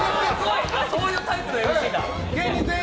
そういうタイプのＭＣだ！